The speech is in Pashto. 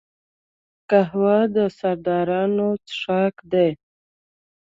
قهوه د سردارانو څښاک دی